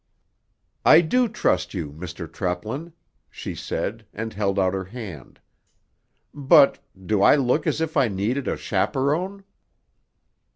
"I do trust you, Mr. Treplin," she said, and held out her hand. "But—do I look as if I needed a chaperon?"